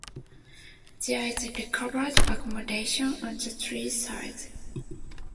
There is covered accommodation on three sides.